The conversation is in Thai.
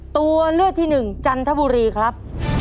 ตัวเลือกที่หนึ่งจันทบุรีครับ